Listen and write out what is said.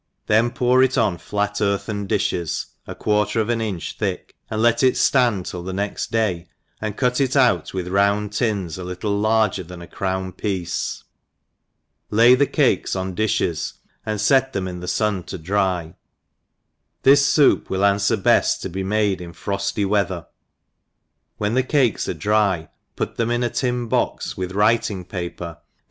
then pour it on flat earthen diihes, a quarter of an inch thick, and let it Aand till the next day, and cut it out with round tins a little larger than a crown piece; lay the cakes on diihes, and fet them in the ftin to dry ; this foup will anfwer beft to be made infrofty weather ; when the cakes are dry, put them in a tin box with writing paper be I twixt ENGLISH HOUSE KEEPER.